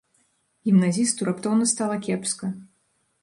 Гімназісту раптоўна стала кепска.